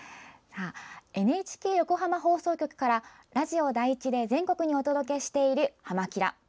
ＮＨＫ横浜放送局からラジオ第１で全国にお届けしている「はま☆キラ！」。